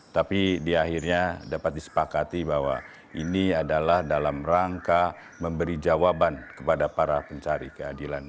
tapi di akhirnya dapat disepakati bahwa ini adalah dalam rangka memberi jawaban kepada para pencari keadilan